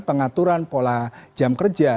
pengaturan pola jam kerja